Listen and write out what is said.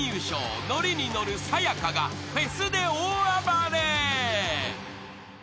［ノリに乗るさや香がフェスで大暴れ］